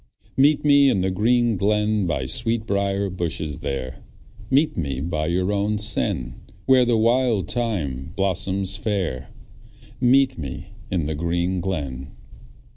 Meet me in the green glen, By sweetbriar bushes there; Meet me by your own sen, Where the wild thyme blossoms fair. Meet me in the green glen.